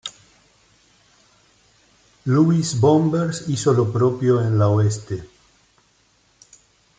Louis Bombers hizo lo propio en la Oeste.